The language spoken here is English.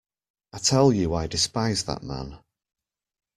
I tell you I despise that man.